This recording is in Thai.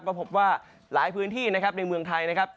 ก็พบว่าหลายพื้นที่นะครับในเมืองไทยนะครับ